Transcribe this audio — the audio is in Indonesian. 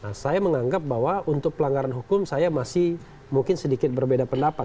nah saya menganggap bahwa untuk pelanggaran hukum saya masih mungkin sedikit berbeda pendapat